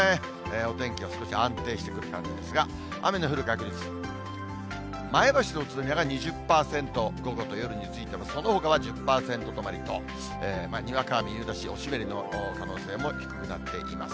お天気は少し安定してくる感じですが、雨の降る確率、前橋と宇都宮が２０％、午後と夜についても、そのほかは１０％止まりと、にわか雨、夕立、お湿りの可能性も低くなっています。